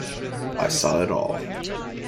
I saw it all.